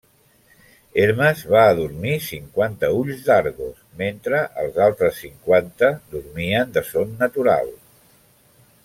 Hermes va adormir cinquanta ulls d'Argos, mentre els altres cinquanta dormien de son natural.